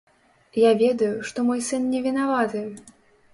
Я ведаю, што мой сын не вінаваты.